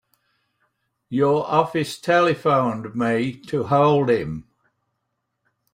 Your office telephoned me to hold him.